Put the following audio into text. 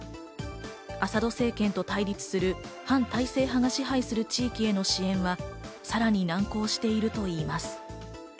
アサド政権と対立する反体制派が支配する地域への支援は、さらに難航しているといいます。